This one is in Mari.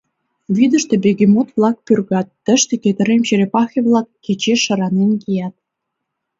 Вӱдыштӧ бегемот-влак пӱргат, тыште кӧтырем черепахе-влак кечеш шыранен кият.